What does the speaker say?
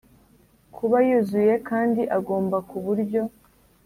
kuba yuzuye kandi agomba ku buryo